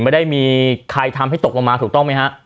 ไม่ได้มีใครทำให้ตกลงมาถูกต้องไหมฮะ